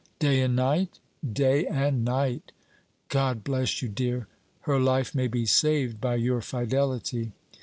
"Day and night?" "Day and night." "God bless you, dear! Her life may be saved by your fidelity."